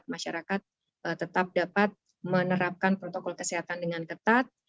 masyarakat tetap dapat menerapkan protokol kesehatan dengan ketat